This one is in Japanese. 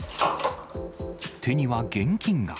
手には現金が。